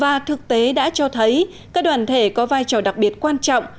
và thực tế đã cho thấy các đoàn thể có vai trò đặc biệt quan trọng